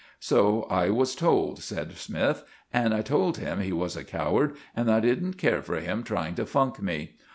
"So I was told," said Smythe; "and I told him he was a coward, and that I didn't care for him trying to funk me.